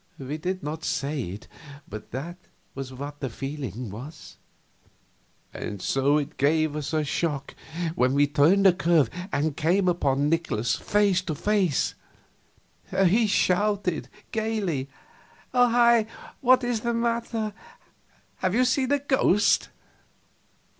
We did not say it, but that was what we were feeling. And so it gave us a shock when we turned a curve and came upon Nikolaus face to face. He shouted, gaily: "Hi hi! What is the matter? Have you seen a ghost?"